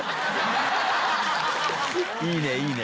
いいねいいね。